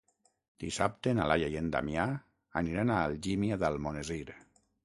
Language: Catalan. Dissabte na Laia i en Damià aniran a Algímia d'Almonesir.